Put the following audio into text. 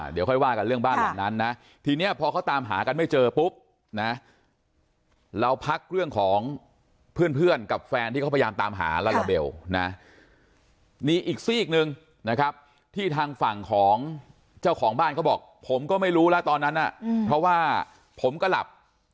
เดี๋ยวค่อยว่ากันเรื่องบ้านหลังนั้นนะทีนี้พอเขาตามหากันไม่เจอปุ๊บนะเราพักเรื่องของเพื่อนกับแฟนที่เขาพยายามตามหาลาลาเบลนะมีอีกซีกหนึ่งนะครับที่ทางฝั่งของเจ้าของบ้านเขาบอกผมก็ไม่รู้แล้วตอนนั้นเพราะว่าผมก็หลับ